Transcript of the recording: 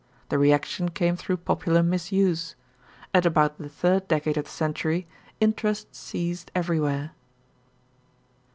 The reaction came through popular misuse. At about the third decade of the century, interest ceased everywhere.